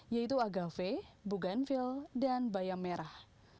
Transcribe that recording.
yaitu agave buganvil dan bayam merah